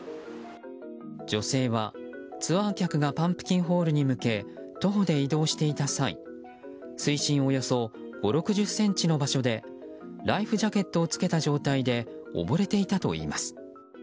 女性は、ツアー客がパンプキンホールに向け徒歩で移動していた際水深およそ５０６０ｃｍの場所でライフジャケットを着けた状態で溺れていたといいます。